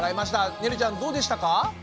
ねるちゃんどうでしたか？